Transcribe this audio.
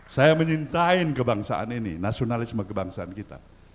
saya mencintai kebangsaan ini nasionalisme kebangsaan kita